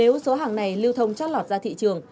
nếu số hàng này lưu thông trót lọt ra thị trường